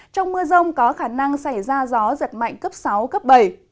trong mưa rông có khả năng xảy ra gió giật mạnh cấp sáu cấp bảy